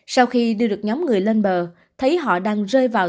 sau khi đưa được nhóm người lên bờ thấy họ đang rơi vào